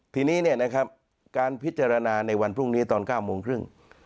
ทีนี้การพิจารณาในวันพรุ่งนี้ตอน๙โมงครึ่ง